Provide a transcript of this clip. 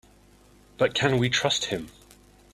But can we trust him?